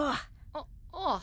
あああ。